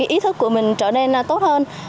ý thức của mình trở nên tốt hơn